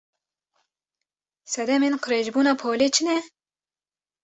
Sedemên qirêjbûna polê çi ne?